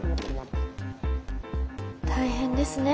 大変ですね。